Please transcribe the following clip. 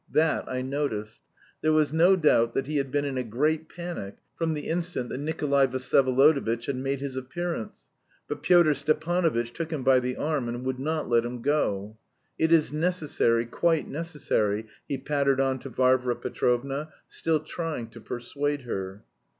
That I noticed. There was no doubt that he had been in a great panic from the instant that Nikolay Vsyevolodovitch had made his appearance; but Pyotr Stepanovitch took him by the arm and would not let him go. "It is necessary, quite necessary," he pattered on to Varvara Petrovna, still trying to persuade her.